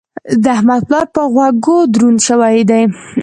د احمد پلار په غوږو دروند شوی دی.